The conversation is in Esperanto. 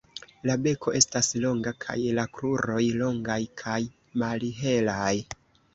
La beko estas longa kaj la kruroj longaj kaj malhelaj.